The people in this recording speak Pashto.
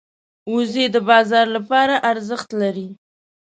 وزې د بازار لپاره ارزښت لري